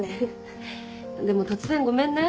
でも突然ごめんね。